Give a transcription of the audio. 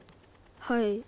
はい。